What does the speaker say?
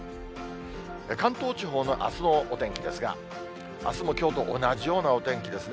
関東地方のあすのお天気ですが、あすも、きょうと同じようなお天気ですね。